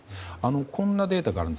こんなデータがあります。